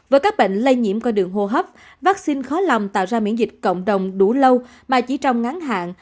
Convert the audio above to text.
với các bệnh lây nhiễm qua đường hô hấp vaccine khó lòng tạo ra miễn dịch cộng đồng đủ lâu mà chỉ trong ngắn hạn